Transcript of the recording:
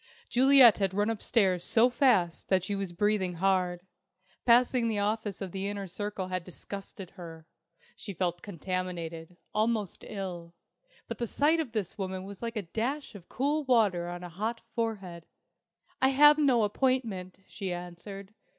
Juliet had run upstairs so fast that she was breathing hard. Passing the office of the Inner Circle had disgusted her. She felt contaminated, almost ill; but the sight of this woman was like a dash of cool water on a hot forehead. "I have no appointment," she answered.